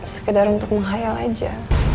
sekedar untuk menghayal aja